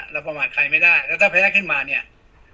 ประมาทใครไม่ได้แล้วถ้าแพ้ขึ้นมาเนี่ย